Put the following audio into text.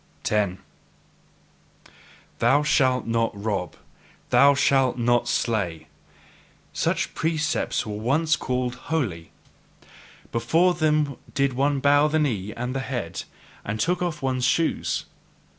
10. "Thou shalt not rob! Thou shalt not slay!" such precepts were once called holy; before them did one bow the knee and the head, and take off one's shoes.